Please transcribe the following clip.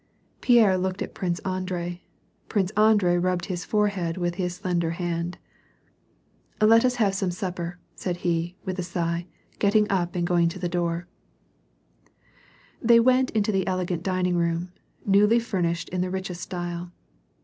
Pierre looked at Prince Andrei ; Prince Andrei rubbed his forehead with his slender hand. " Let us have some supper," said he, with a sigh, getting up and going to the door. • They went into the elegant dining room, newly furnished in the richest style.